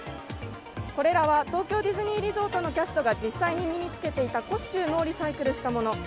これらは東京ディズニーリゾートのキャストが実際に身に着けていたコスチュームをリサイクルしたもの。